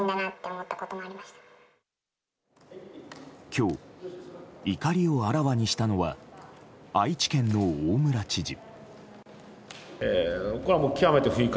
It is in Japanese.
今日、怒りをあらわにしたのは愛知県の大村知事。